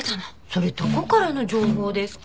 それどこからの情報ですか？